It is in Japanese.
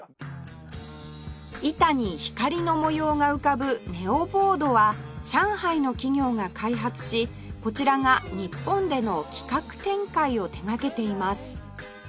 板に光の模様が浮かぶネオボードは上海の企業が開発しこちらが日本での企画展開を手掛けています